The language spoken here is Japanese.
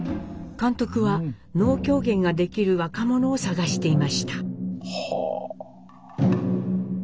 監督は能狂言ができる若者を探していました。